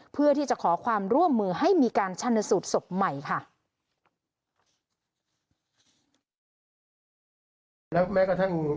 เพื่อที่จะขอความร่วมมือให้มีการชันสูตรศพใหม่ค่ะ